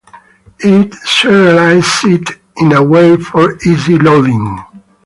It seralizes it in a way for easy loading